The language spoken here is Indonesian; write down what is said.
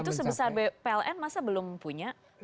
dan itu sebesar pln masa belum punya